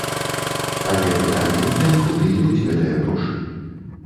Але пытанне ў тым, куды ідуць гэтыя грошы?